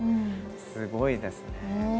すごいですね。